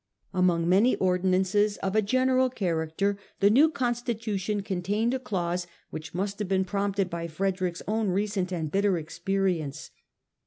Among many ordinances of a general character, the new Con stitution contained a clause which must have been prompted by Frederick's own recent and bitter experi ence.